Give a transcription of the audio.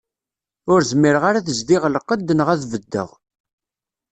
Ur zmireɣ ara ad zdiɣ lqedd, naɣ ad beddeɣ.